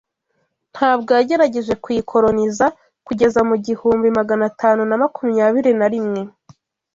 ntabwo yagerageje kuyikoloniza kugeza mu igihumbi Magana atanu na makumyabiri narimwe